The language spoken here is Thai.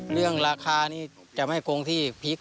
เรื่องราคานี้จะไม่โกงที่พริก